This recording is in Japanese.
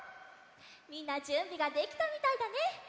みんなじゅんびができたみたいだね。